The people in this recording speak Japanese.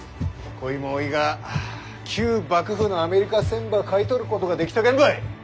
こいもおいが旧幕府のアメリカ船ば買い取ることができたけんばい。